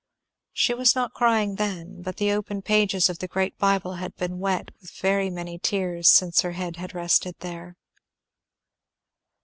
She was not crying then, but the open pages of the great bible had been wet with very many tears since her head had rested there.